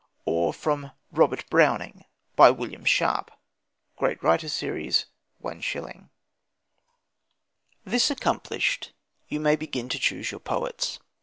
or from Robert Browning, by William Sharp ("Great Writers" Series, 1s.). This accomplished, you may begin to choose your poets.